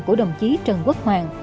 của đồng chí trần quốc hoàn